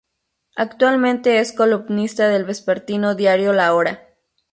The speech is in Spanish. Actualmente es columnista del vespertino Diario La Hora.